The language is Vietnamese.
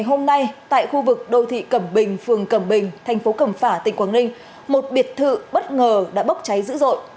hôm nay tại khu vực đô thị cẩm bình phường cẩm bình thành phố cẩm phả tỉnh quảng ninh một biệt thự bất ngờ đã bốc cháy dữ dội